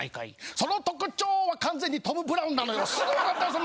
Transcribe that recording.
その特徴は完全にトム・ブラウンなのよすぐわかったよ